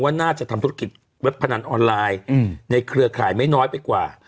น่าจะทำธุรกิจเว็บพนันออนไลน์ในเครือข่ายไม่น้อยไปกว่า